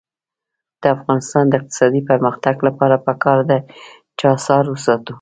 د افغانستان د اقتصادي پرمختګ لپاره پکار ده چې اثار وساتو.